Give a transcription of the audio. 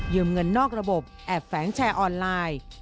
เงินนอกระบบแอบแฝงแชร์ออนไลน์